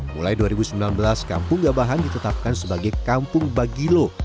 mulai dua ribu sembilan belas kampung gabahan ditetapkan sebagai kampung bagilo